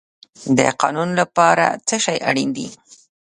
د قانون لپاره څه شی اړین دی؟